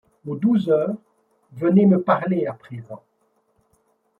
Aux douze heures : venez me parler, à présent